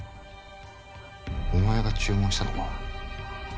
お前が注文したのか？